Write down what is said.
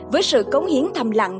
với sự cống hiến thầm lặng